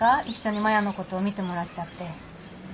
一緒に摩耶のこと見てもらっちゃって。